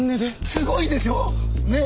すごいでしょ？ね？